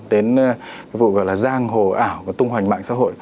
đến cái vụ gọi là giang hồ ảo và tung hoành mạng xã hội